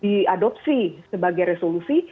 diadopsi sebagai resolusi